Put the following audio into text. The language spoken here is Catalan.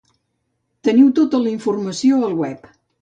Teniu tota la informació al web.